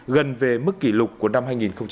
gần về mức kỷ lục của năm hai nghìn một mươi chín